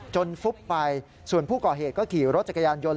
ฟุบไปส่วนผู้ก่อเหตุก็ขี่รถจักรยานยนต์